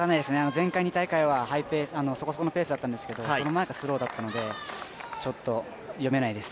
前回２大会はそこそこのペースだったんですけど、その前がスローだったので、ちょっと読めないです。